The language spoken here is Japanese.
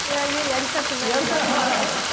いややりたくないです。